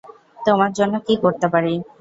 তোমার জন্য কি করতে পারি?